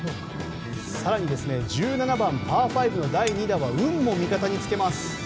更に１７番、パー５の第２打は運も味方につけます。